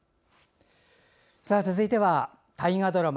続いては大河ドラマ